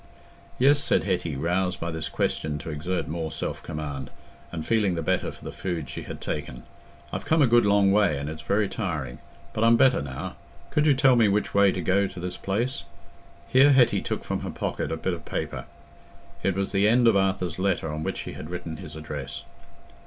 "Yes," said Hetty, roused by this question to exert more self command, and feeling the better for the food she had taken. "I've come a good long way, and it's very tiring. But I'm better now. Could you tell me which way to go to this place?" Here Hetty took from her pocket a bit of paper: it was the end of Arthur's letter on which he had written his address.